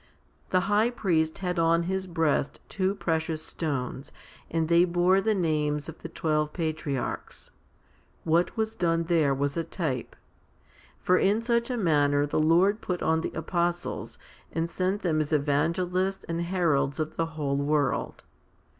* The high priest had on his breast two precious stones, and they bore the names of the twelve patriarchs. What was done there was a type. For in such a manner the Lord put on the apostles and sent them as evangelists and heralds of the whole world.